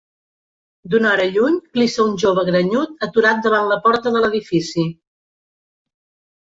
D'una hora lluny clissa un jove grenyut aturat davant la porta de l'edifici.